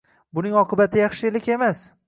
Buning oqibati yaxshilik emas.